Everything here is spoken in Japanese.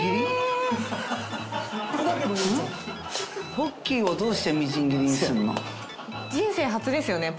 ポッキーをどうしてみじん切りにするの？